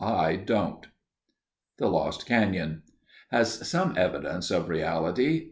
I don't." THE LOST CANYON has some evidence of reality.